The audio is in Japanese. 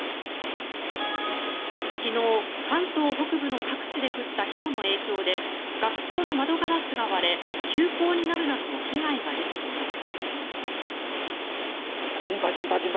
昨日、関東北部の各地で降ったひょうの影響で学校の窓ガラスが割れ休校になるなどの被害が出ています。